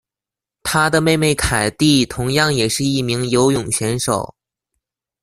她的妹妹凯蒂同样也是一名游泳选手。